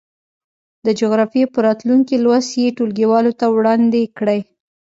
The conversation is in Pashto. د جغرافيې په راتلونکي لوست یې ټولګیوالو ته وړاندې کړئ.